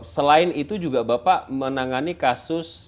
selain itu juga bapak menangani kasus